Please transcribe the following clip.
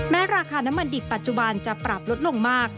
ราคาน้ำมันดิบปัจจุบันจะปรับลดลงมาก